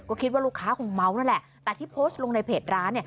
ก็คิดว่าลูกค้าคงเมานั่นแหละแต่ที่โพสต์ลงในเพจร้าน